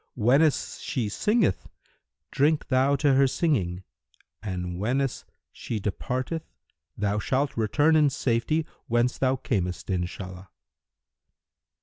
Whenas she singeth, drink thou to her singing, and whenas she departeth thou shalt return in safety whence thou camest, Inshallah!"